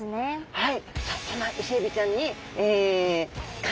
はい。